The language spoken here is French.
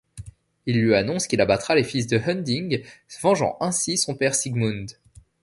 Il lui annonce qu'il abattra les fils de Hunding, vengeant ainsi son père Sigmund.